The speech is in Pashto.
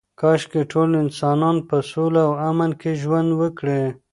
کاشکې ټول انسانان په سوله او امن کې ژوند وکړي.